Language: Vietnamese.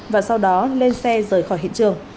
và sau đó lên xe rời khỏi hiện trường